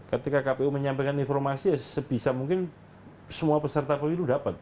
ketika kpu menyampaikan informasi sebisa mungkin semua peserta pemilu dapat